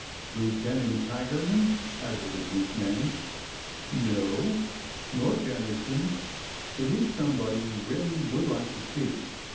Lieutenant Tigerman," hazarded Miss Nannie. '' No. Nor Jennison— nor Lane. It is somebody you really would like to see."